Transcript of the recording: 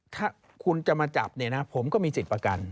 ถ้าคุณจะมาจับเนี่ยนะผมก็มีสิทธิ์ประกัน